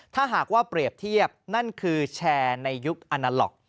ถ้าหากว่าเปรียบเทียบนั่นคือแชร์ในยุคอนาล็อก